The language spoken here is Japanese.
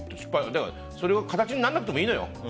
だから、それが形にならなくてもいいのよ。